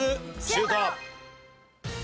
シュート！